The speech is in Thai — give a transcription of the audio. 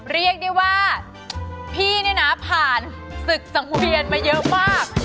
เรียกได้ว่าพี่เนี่ยนะผ่านศึกสังเวียนมาเยอะมาก